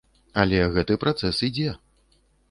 Але гэты працэс ідзе.